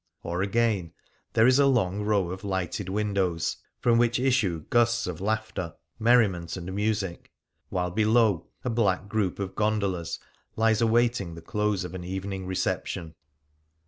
Or, again, there is a long row of lighted windows from which issue gusts of laughter, 23 Things Seen in Venice merriment, and music, while below a black group of gondolas lies awaiting the close of an evening reception.